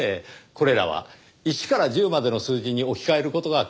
これらは１から１０までの数字に置き換える事が可能です。